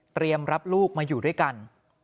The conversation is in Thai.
เตรียมรับลูกมาอยู่ด้วยกัน